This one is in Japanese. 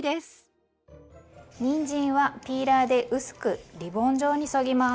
にんじんはピーラーで薄くリボン状にそぎます。